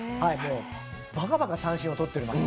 ばかばか三振を取っております。